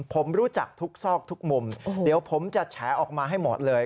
ผมรู้จักทุกซอกทุกมุมเดี๋ยวผมจะแฉออกมาให้หมดเลย